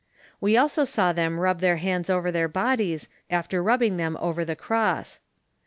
We also saw them rub their hands over their bodies after rubbing them over tho cross.